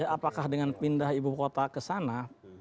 apakah dengan pindah ibu kota ke sana